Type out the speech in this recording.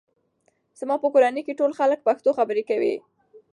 زما په کورنۍ کې ټول خلک پښتو خبرې کوي.